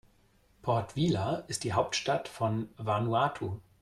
Port Vila ist die Hauptstadt von Vanuatu.